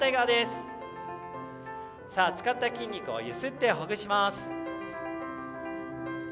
使った筋肉を揺すってほぐします。